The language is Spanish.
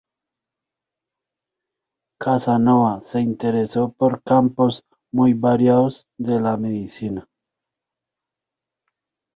Casanova se interesó por campos muy variados de la medicina.